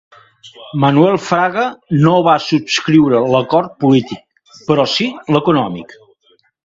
Manuel Fraga no va subscriure l'acord polític, però sí l'econòmic.